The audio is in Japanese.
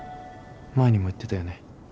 前にも言ってたよね